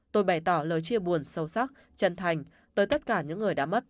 tôi bày tỏ lời chia buồn sâu sắc chân thành tới tất cả những người đã mất